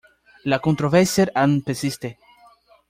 La controversia aún persiste.